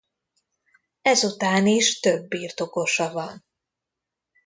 Ezután is több birtokosa van.